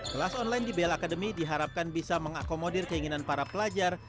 kelas online dbl academy diharapkan bisa mengakomodir keinginan para pelajar